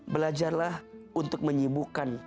belajarlah untuk menyibukkan